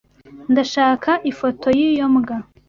Ndashaka ifoto yiyo mbwa.